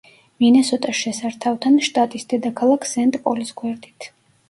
მინესოტას შესართავთან, შტატის დედაქალაქ სენტ-პოლის გვერდით.